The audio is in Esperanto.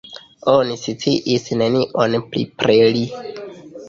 Oni sciis nenion pli pri li.